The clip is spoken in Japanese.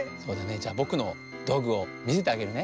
じゃぼくのどうぐをみせてあげるね。